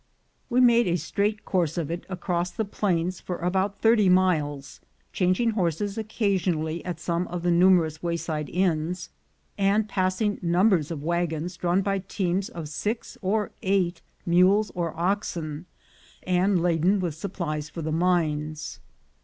We made a straight course of it across the plains for about thirty miles, changing horses occasionally at some of the numerous wayside inns, and passing numbers of wagons drawn by teams of six or eight mules or oxen, and laden with supplies for the mines.